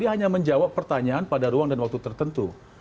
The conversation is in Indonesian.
dia hanya menjawab pertanyaan pada ruang dan waktu tertentu